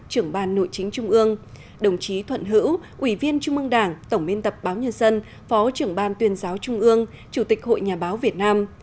trưởng ban nội chính trung ương đồng chí thuận hữu ủy viên trung ương đảng tổng biên tập báo nhân dân phó trưởng ban tuyên giáo trung ương chủ tịch hội nhà báo việt nam